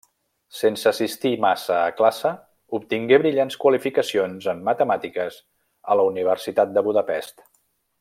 Sense assistir massa a classe, obtingué brillants qualificacions en matemàtiques a la Universitat de Budapest.